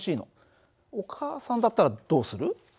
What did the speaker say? お母さんだったらどうする？